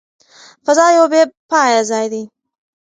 فضا یو بې پایه ځای دی.